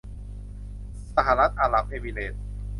สหรัฐอาหรับเอมิเรตส์